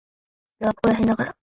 俺はここらへんだから。